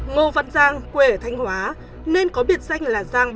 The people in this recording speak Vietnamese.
ngô văn giang quê ở thanh hóa nên có biệt danh là giang ba mươi sáu